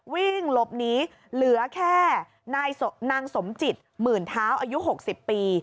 วิ่งหลบหนีเหลือแค่นางสมจิตหมื่นเท้าอายุ๖๐ปี